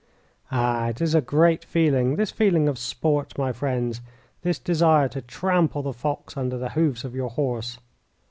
Ah, it is a great feeling, this feeling of sport, my friends, this desire to trample the fox under the hoofs of your horse.